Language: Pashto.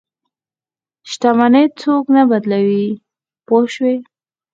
شتمني څوک نه بدلوي پوه شوې!.